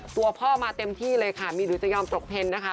ตัวพ่อมาเต็มที่เลยค่ะมีหรือจะยอมตกเทนนะคะ